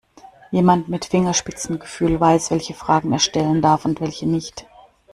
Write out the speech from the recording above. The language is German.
Jemand mit Fingerspitzengefühl weiß, welche Fragen er stellen darf und welche nicht.